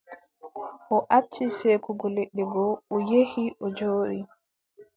O acci seekugo leɗɗe go, o yehi, o jooɗi.